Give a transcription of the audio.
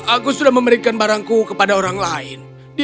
aku sudah memberikan barangku kepada orang lain